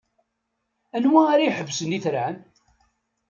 Anwa ara iḥesben itran?